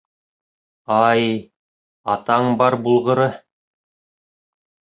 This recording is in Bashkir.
— Ай, атаң бар булғыры.